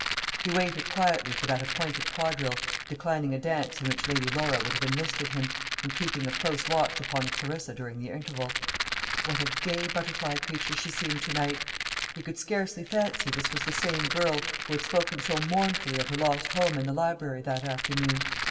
He waited quietly for that appointed quadrille, declining a dance in which Lady Laura would have enlisted him, and keeping a close watch upon Clarissa during the interval. What a gay butterfly creature she seemed to night! He could scarcely fancy this was the same girl who had spoken so mournfully of her lost home in the library that afternoon.